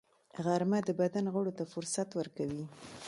غرمه د بدن غړو ته فرصت ورکوي